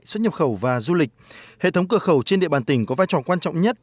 xuất nhập khẩu và du lịch hệ thống cửa khẩu trên địa bàn tỉnh có vai trò quan trọng nhất